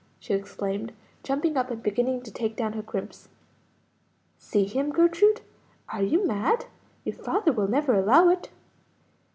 she exclaimed, jumping up and beginning to take down her crimps. "See him? Gertrude, are you mad? Your father will never allow it."